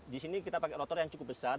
di sini kita pakai trotor yang cukup besar